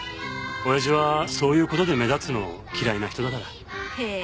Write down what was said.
親父はそういう事で目立つの嫌いな人だから。へ